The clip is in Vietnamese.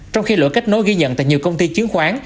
trong khi lỗi kết nối ghi nhận tại nhiều công ty chứng khoán